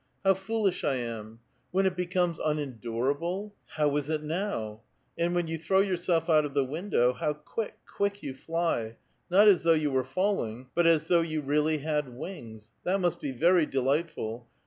How fool ish 1 am ! }VJieii it becomes unendurable I How is it now ? And when you throw yourself out of the window, how quick, quick you fly, not as though you were falling, but as though you really had wings ; that must be very delightful.